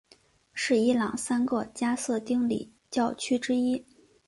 是伊朗三个加色丁礼教区之一。